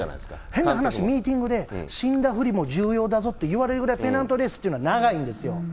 変な話、ミーティングで、死んだふりも重要だぞといわれるぐらい、ペナントレースっていうのは長いんですよ。